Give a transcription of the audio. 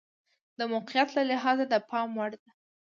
د موقعیت له لحاظه د پام وړ ده.